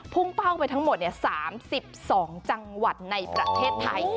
เป้าไปทั้งหมด๓๒จังหวัดในประเทศไทย